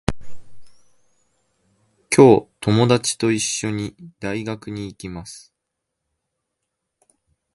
今日、ともだちといっしょに、大学に行きます。